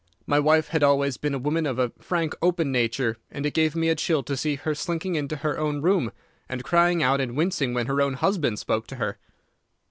My wife had always been a woman of a frank, open nature, and it gave me a chill to see her slinking into her own room, and crying out and wincing when her own husband spoke to her.